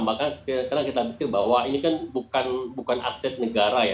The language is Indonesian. maka karena kita pikir bahwa ini kan bukan aset negara ya